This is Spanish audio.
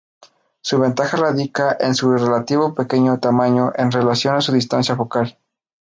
Su ventaja radica en su relativo pequeño tamaño en relación a su distancia focal.